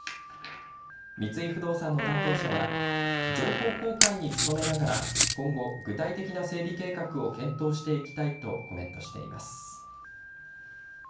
三井不動産の担当者は情報公開に努めながら今後、具体的な整備計画を検討していきたいとコメントしています。